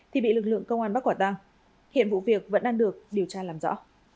thì bị lực lượng công an bắt quả tăng hiện vụ việc vẫn đang được điều tra làm rõ